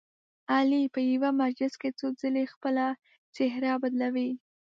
علي په یوه مجلس کې څو ځلې خپله څهره بدلوي.